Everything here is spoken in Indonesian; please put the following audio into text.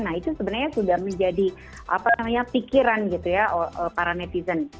nah itu sebenarnya sudah menjadi pikiran gitu ya para netizen